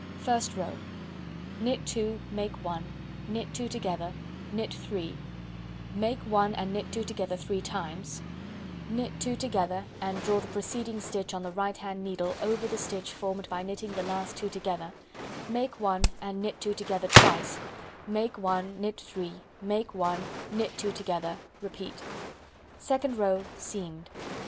First row: Knit 2, make 1, knit 2 together, knit 3 (make 1 and knit 2 together 3 times), knit 2 together and draw the preceding stitch on the right hand needle over the stitch formed by knitting the last 2 together, make 1 and knit 2 together twice, make 1, knit 3, make 1, knit 2 together; repeat. Second row: Seamed.